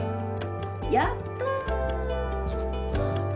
「やったー」。